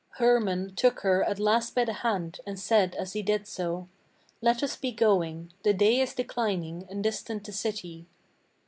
Hermann took her at last by the hand, and said as he did so: "Let us be going; the day is declining, and distant the city."